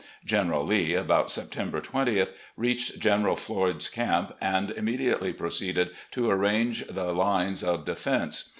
General Lee, about September 20th, reached General Floyd's camp, and immediately proceeded to arrange the lines of defense.